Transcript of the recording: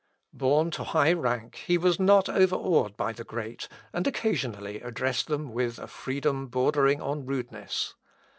Born to high rank, he was not overawed by the great, and occasionally addressed them with a freedom bordering on rudeness.